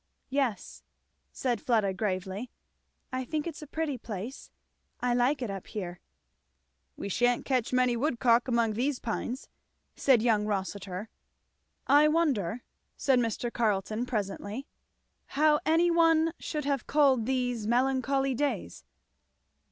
"Yes," said Fleda gravely, "I think it's a pretty place. I like it up here." "We sha'n't catch many woodcock among these pines," said young Rossitur. "I wonder," said Mr. Carleton presently, "how any one should have called these 'melancholy days.'"